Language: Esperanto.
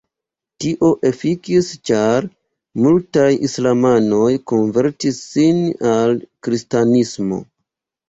Tio "efikis" ĉar multaj islamanoj konvertis sin al kristanismo.